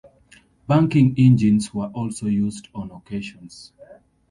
Banking engines were also used on occasions.